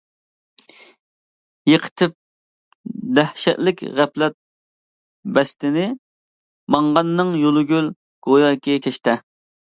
يىقىتىپ دەھشەتلىك غەپلەت بەستىنى، ماڭغاننىڭ يولى گۈل، گوياكى كەشتە.